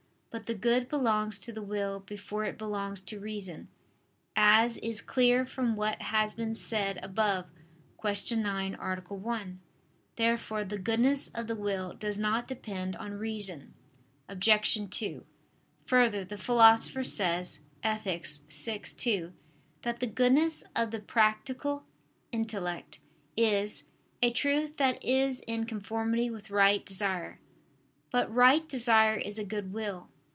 But the good belongs to the will before it belongs to reason, as is clear from what has been said above (Q. 9, A. 1). Therefore the goodness of the will does not depend on reason. Obj. 2: Further, the Philosopher says (Ethic. vi, 2) that the goodness of the practical intellect is "a truth that is in conformity with right desire." But right desire is a good will.